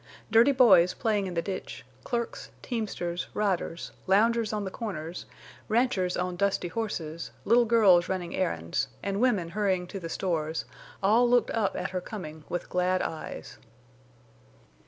Dirty boys playing in the ditch, clerks, teamsters, riders, loungers on the corners, ranchers on dusty horses, little girls running errands, and women hurrying to the stores all looked up at her coming with glad eyes.